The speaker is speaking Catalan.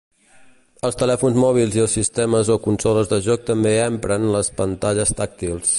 Els telèfons mòbils i els sistemes o consoles de joc també empren les pantalles tàctils.